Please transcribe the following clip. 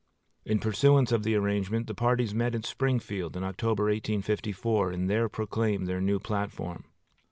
In pursuance of the arrangement, the parties met at Springfield in October, 1854, and proclaimed their new platform.